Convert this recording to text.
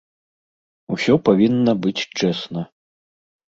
Усё павінна быць чэсна.